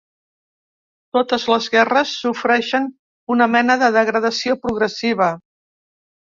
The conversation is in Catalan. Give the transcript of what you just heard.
Totes les guerres sofreixen una mena de degradació progressiva